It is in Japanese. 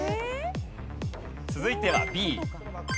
続いてはＢ。